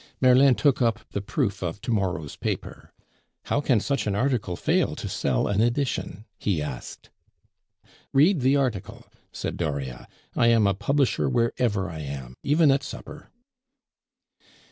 Merlin took up the proof of to morrow's paper. "How can such an article fail to sell an edition?" he asked. "Read the article," said Dauriat. "I am a publisher wherever I am, even at supper."